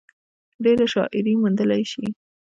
ډېره شاعري موندلے شي ۔